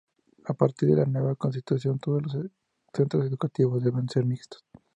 A partir de la nueva constitución todos los centros educativos deben ser mixtos.